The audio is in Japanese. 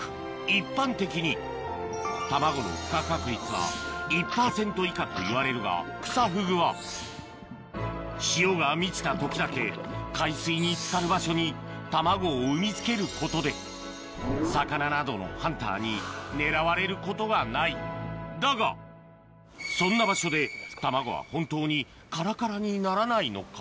一般的に卵のクサフグは潮が満ちた時だけ海水につかる場所に卵を産み付けることで魚などのハンターに狙われることはないだがそんな場所で卵は本当にカラカラにならないのか？